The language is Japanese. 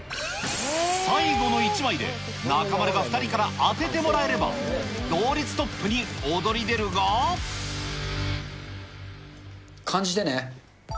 最後の１枚で、中丸が２人から当ててもらえれば、感じてね。